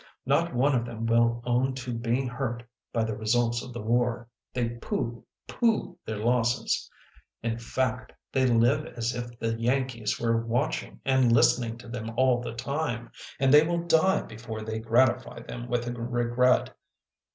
Not one of them will own to being hurt by the results of the war. They pooh, pooh, their losses. In fact, they live as if the Yankees were watching and listening to them all the time, and they will die before they gratify them with a regret.